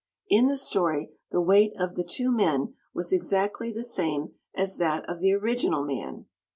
In the story, the weight of the two men was exactly the same as that of the original man.